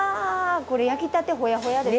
これ焼きたてホヤホヤですか？